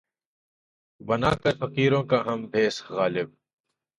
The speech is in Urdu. بنا کر فقیروں کا ہم بھیس، غالبؔ!